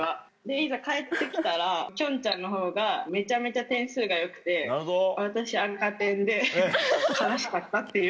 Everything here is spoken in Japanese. いざ返って来たらきょんちゃんのほうがめちゃめちゃ点数がよくて私赤点で悲しかったっていう。